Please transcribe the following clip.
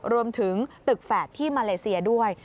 รวมถึงตึกแฝดที่มาเลเซียด้วย